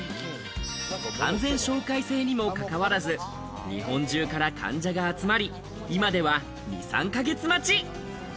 完全紹介制にも関わらず日本中から患者が集まり、今では２３か月待ち。